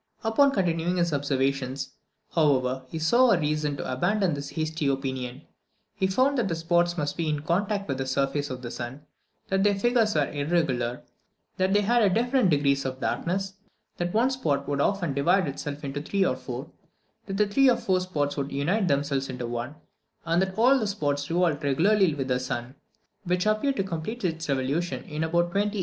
Upon continuing his observations, however, he saw reason to abandon this hasty opinion. He found that the spots must be in contact with the surface of the sun, that their figures were irregular, that they had different degrees of darkness, that one spot would often divide itself into three or four, that three or four spots would often unite themselves into one, and that all the spots revolved regularly with the sun, which appeared to complete its revolution in about twenty eight days.